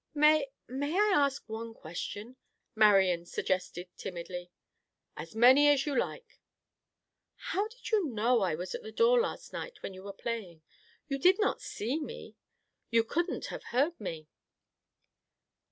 "May—may I ask one question?" Marian suggested timidly. "As many as you like." "How did you know I was at the door last night when you were playing? You did not see me. You couldn't have heard me."